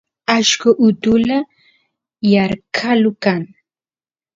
ashqo utula yarqalu kan